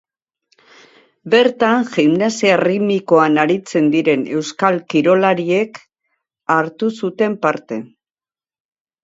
Bertan, gimnasia erritmikoan aritzen diren euskal kirolariek hartu zuten parte.